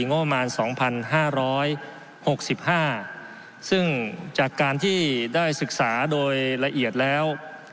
งบประมาณสองพันห้าร้อยหกสิบห้าซึ่งจากการที่ได้ศึกษาโดยละเอียดแล้ว